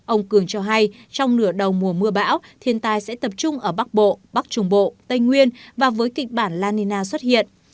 ông cường cho hay trong nửa đầu mùa mưa bão thiên tai sẽ tập trung ở bắc bộ bắc trung bộ tây nguyên và với kịch bản la nina xuất hiện